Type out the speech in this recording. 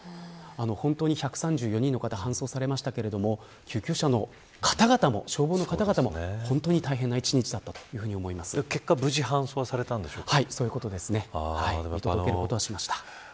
本当に１３４人の方が搬送されましたけど救急車の方々も本当に大変な一日だったと結果無事搬送されたんですね。